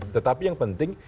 tetapi yang penting